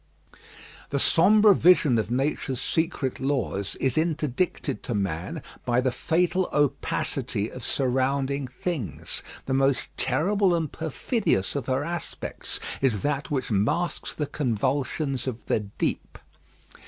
_ The sombre vision of nature's secret laws is interdicted to man by the fatal opacity of surrounding things. The most terrible and perfidious of her aspects is that which masks the convulsions of the deep.